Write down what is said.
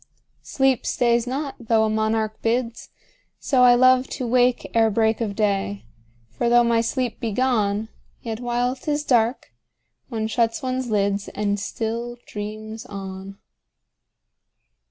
10 Sleep stays not, though a monarch bids: So I love to wake ere break of day: For though my sleep be gone, Yet while 'tis dark, one shuts one's lids, And still dreams on.